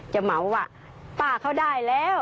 เหมาว่าป้าเขาได้แล้ว